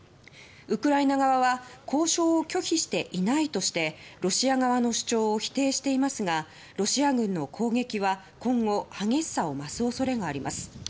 ウクライナ側は交渉を拒否していないとしてロシア側の主張を否定していますがロシア軍の攻撃は今後激しさを増す恐れもあります。